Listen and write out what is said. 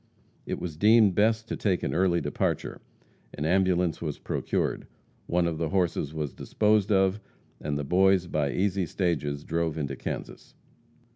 It was deemed best to take an early departure. An ambulance was procured. One of the horses was disposed of, and the boys by easy stages drove into Kansas.